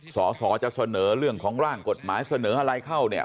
สอสอจะเสนอเรื่องของร่างกฎหมายเสนออะไรเข้าเนี่ย